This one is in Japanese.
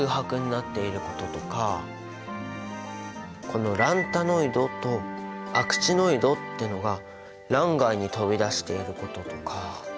このランタノイドとアクチノイドっていうのが欄外に飛び出していることとか。